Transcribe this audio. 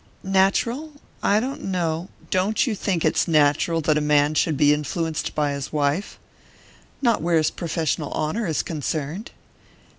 "Natural? I don't know " "Don't you think it's natural that a man should be influenced by his wife?" "Not where his professional honour is concerned."